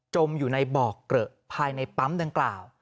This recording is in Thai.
มอยู่ในบ่อเกลอะภายในปั๊มดังกล่าว